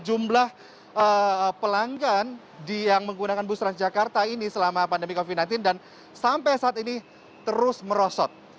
jumlah pelanggan yang menggunakan bus transjakarta ini selama pandemi covid sembilan belas dan sampai saat ini terus merosot